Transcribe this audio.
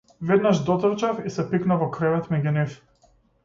Веднаш дотрчав и се пикнав во кревет меѓу нив.